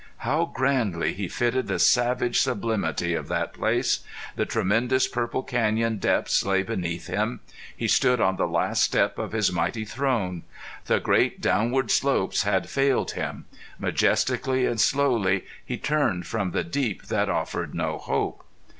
How grandly he fitted the savage sublimity of that place! The tremendous purple canyon depths lay beneath him. He stood on the last step of his mighty throne. The great downward slopes had failed him. Majestically and slowly he turned from the deep that offered no hope.